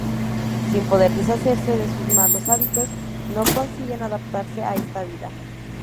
Sin poder deshacerse de sus malos hábitos, no consiguen adaptarse a esta vida.